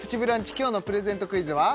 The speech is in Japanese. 今日のプレゼントクイズは？